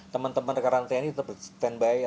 teman teman rekaran tni stand by